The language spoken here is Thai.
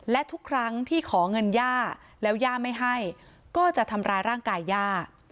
และทุกครั้งที่ขอเงินย่าแล้วย่าไม่ให้ก็จะทำร้ายร่างกายย่า